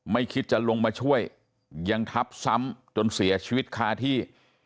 คิดจะลงมาช่วยยังทับซ้ำจนเสียชีวิตคาที่